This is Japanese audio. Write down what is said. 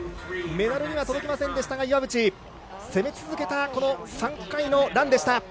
メダルには届きませんでしたが岩渕攻め続けた３回のランでした。